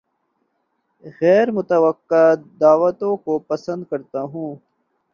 غیر متوقع دعوتوں کو پسند کرتا ہوں